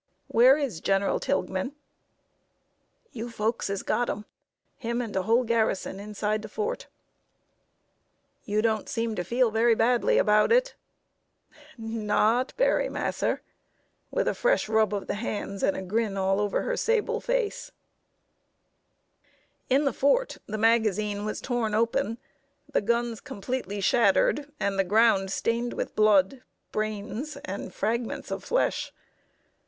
"Where is General Tilghman?" "You folks has got him him and de whole garrison inside de fort." "You don't seem to feel very badly about it." "Not berry, mass'r!" with a fresh rub of the hands and a grin all over her sable face. [Sidenote: SCENES IN THE CAPTURED FORTRESS.] In the fort, the magazine was torn open, the guns completely shattered, and the ground stained with blood, brains, and fragments of flesh.